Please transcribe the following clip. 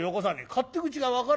勝手口が分からねえ？